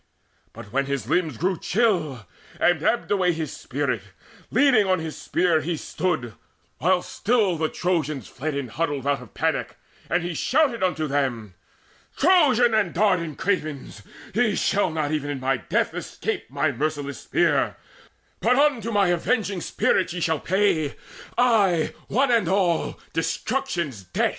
But when his limbs grew chill, and ebbed away His spirit, leaning on his spear he stood, While still the Trojans fled in huddled rout Of panic, and he shouted unto them: "Trojan and Dardan cravens, ye shall not Even in my death, escape my merciless spear, But unto mine Avenging Spirits ye Shall pay ay, one and all destruction's debt!"